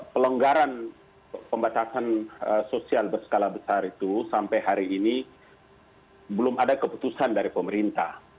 pelonggaran pembatasan sosial berskala besar itu sampai hari ini belum ada keputusan dari pemerintah